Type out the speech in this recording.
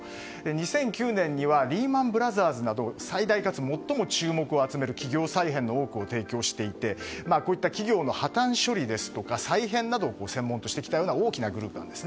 ２００９年にはリーマン・ブラザーズなど最大かつ最も注目を集める企業再編の多くに関わっていてこういった企業の破綻処理や再編などを専門としてきたような大きなグループです。